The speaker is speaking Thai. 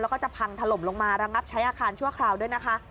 แล้วก็จะพังถล่มลงมาระงับใช้อาคารชั่วคราวด้วยนะคะ